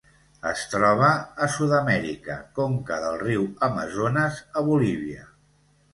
Es troba a Sud-amèrica: conca del riu Amazones a Bolívia.